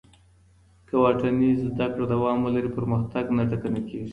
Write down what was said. که واټني زده کړه دوام ولري، پرمختګ نه ټکنی کېږي.